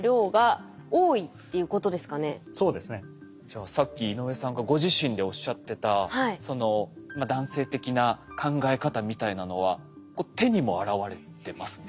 じゃあさっき井上さんがご自身でおっしゃってたその男性的な考え方みたいなのは手にも現れてますね。